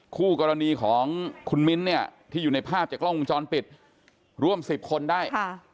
คู่กรณีของคุณมิ้นท์เนี่ยที่อยู่ในภาพจากกล้องวงจรปิดร่วม๑๐คนได้